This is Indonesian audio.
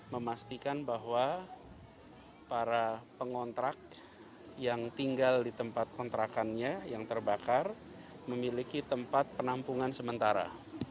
memastikan bahwa para pengontrak yang tinggal di tempat kontrakannya yang terbakar memiliki tempat penampungan sementara